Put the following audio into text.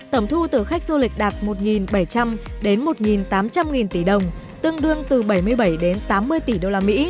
tổng thu từ khách du lịch đạt một bảy trăm linh đến một tám trăm linh tỷ đồng tương đương từ bảy mươi bảy đến tám mươi tỷ usd